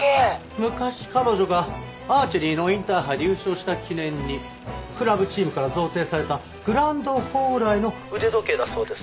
昔彼女がアーチェリーのインターハイで優勝した記念にクラブチームから贈呈されたグランドホーライの腕時計だそうです。